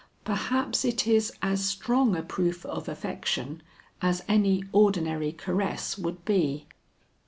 Perhaps it is as strong a proof of affection as any ordinary caress would be."